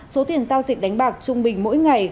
số tiền giao dịch đánh bạc trung bình mỗi ngày